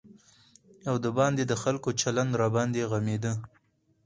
او د باندې د خلکو چلند راباندې غمېده.